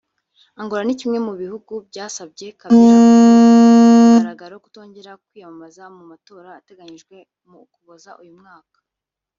Angola ni kimwe mu bihugu byasabye Kabila ku mugaragaro kutongera kwiyamamaza mu matora ateganyijwe mu Ukuboza uyu mwaka